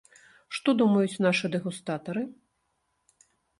Што думаюць нашы дэгустатары?